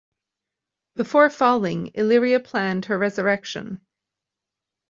Before falling, Illyria planned her resurrection.